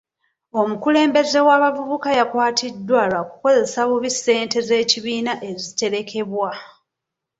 Omukulembeze w'abavubuka yakwatiddwa lwa kukozesa bubi ssente z'ekibiina eziterekebwa.